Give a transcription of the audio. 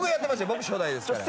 僕初代ですから。